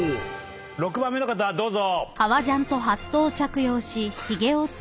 ６番目の方どうぞ。